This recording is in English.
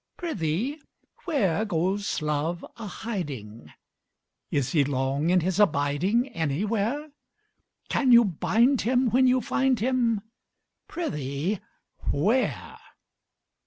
Prithee where, Goes Love a hiding? Is he long in his abiding Anywhere? Can you bind him when you find him; Prithee, where?